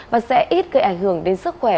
và sẽ ít gây ảnh hưởng đến sức khỏe